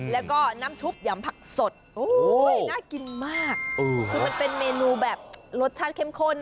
แล้วก็น้ำชุบยำผักสดโอ้โหน่ากินมากคือมันเป็นเมนูแบบรสชาติเข้มข้น